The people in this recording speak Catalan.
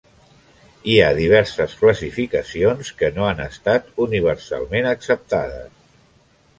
Hi ha diverses classificacions que no han estat universalment acceptades.